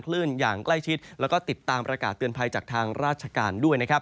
คลื่นอย่างใกล้ชิดแล้วก็ติดตามประกาศเตือนภัยจากทางราชการด้วยนะครับ